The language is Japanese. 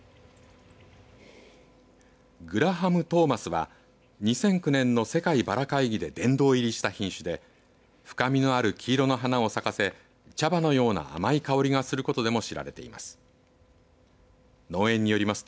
グラハム・トーマスは２００９年の世界バラ会議で殿堂入りした品種で深みのある黄色の花を咲かせ茶葉のような甘い香りがすることでも知られています。